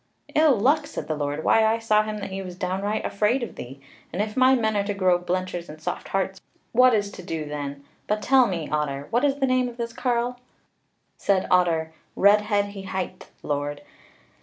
"Ill luck!" said the Lord, "Why, I saw him that he was downright afraid of thee. And if my men are to grow blenchers and soft hearts what is to do then? But tell me, Otter, what is the name of this carle?" Said Otter, "Redhead he hight, Lord."